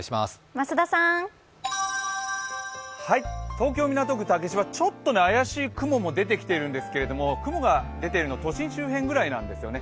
東京・港区竹芝、ちょっと怪しい雲も出てきてるんですけれども雲が出ているのは都心周辺くらいなんですよね